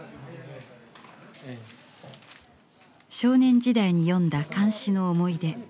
少年時代に読んだ漢詩の思い出